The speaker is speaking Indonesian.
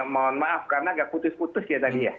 mohon maaf karena agak putus putus ya tadi ya